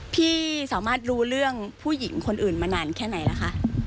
พี่สามารถรู้เรื่องผู้หญิงคนอื่นมานานแค่ไหนล่ะคะ